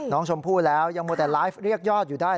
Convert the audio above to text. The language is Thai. น้องชมพู่แล้วยังมัวแต่ไลฟ์เรียกยอดอยู่ได้